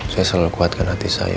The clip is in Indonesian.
saya selalu kuatkan hati saya